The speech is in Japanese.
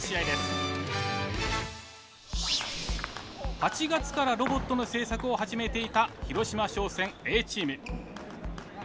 ８月からロボットの制作を始めていた広島商船Ａチーム。